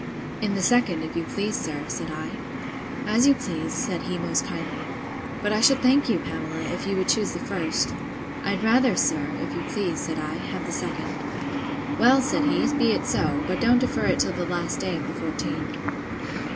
In the second, if you please, sir, said I.—As you please, said he most kindly; but I should thank you, Pamela, if you would choose the first. I'd rather, sir, if you please, said I, have the second. Well, said he, be it so; but don't defer it till the last day of the fourteen.